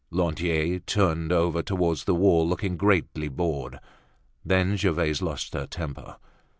Lantier turned over towards the wall, looking greatly bored. Then Gervaise lost her temper.